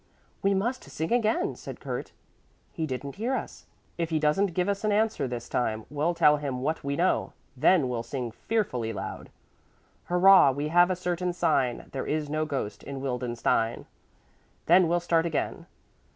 "We must sing again," said Kurt. "He didn't hear us. If he doesn't give us an answer this time we'll tell him what we know. Then we'll sing fearfully loud: Hurrah! We have a certain sign, There is no ghost in Wildenstein. "Then we'll start again."